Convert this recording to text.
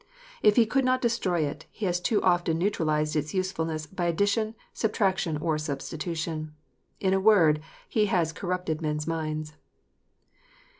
If he could not destroy it, he has too often neutralized its usefulness by addition, subtraction, or substitution. In a word, he has " corrupted men s minds."